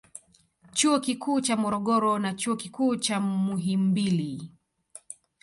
Chuo Kikuu cha Morogoro na Chuo Kikuu cha Muhimbili